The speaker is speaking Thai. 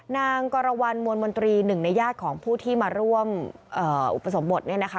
นางกรวรรณมวลมนตรีหนึ่งในญาติของผู้ที่มาร่วมอุปสมบทเนี่ยนะคะ